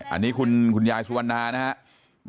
อันนี้คุณยายสุวรรณานะครับ